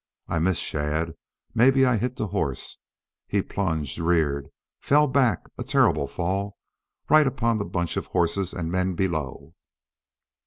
"I missed Shadd. Maybe I hit the horse. He plunged reared fell back a terrible fall right upon that bunch of horses and men below....